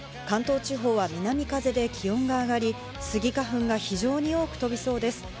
関東地方は南風で気温が上がり、スギ花粉が非常に多く飛びそうです。